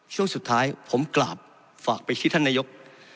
ช่วงสุดท้ายผมกราบฝากไปที่ท่านนายก